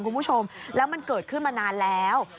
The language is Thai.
คุณผู้ชมแล้วมันเกิดขึ้นมานานแล้ว